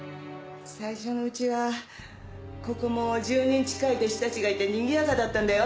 最初のうちはここも１０人近い弟子たちがいてにぎやかだったんだよ。